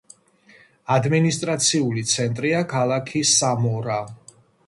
ადმინისტრაციული ცენტრია ქალაქი სამორა.